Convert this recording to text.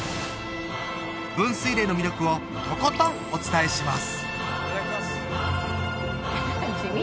分水嶺の魅力をとことんお伝えします！